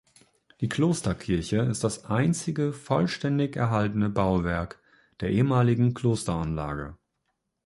Die Klosterkirche ist das einzige vollständig erhaltene Bauwerk der ehemaligen Klosteranlage.